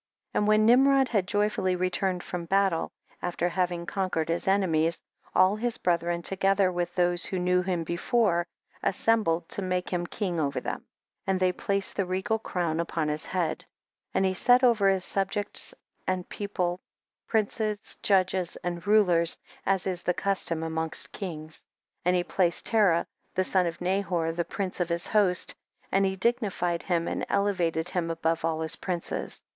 And when Nimrod had joy fully returned from battle, after having conquered his enemies, all his breth ren, together with those who knew him before, assembled to make him king over them, and ihey placed the regal crown upon his head, 40. And he set over his subjects and people, princes, judges and rulers, as is the custom amongst kings, 41. And he placed Terah the son of Nahor the prince of his host, and he dignified him and elevated him above all his princes.